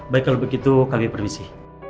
baik kalau begitu kami permisi